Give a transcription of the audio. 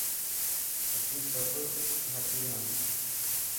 اسين سب ڌاٽي هان.